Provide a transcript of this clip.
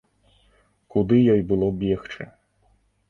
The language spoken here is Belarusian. Куды ёй было бегчы.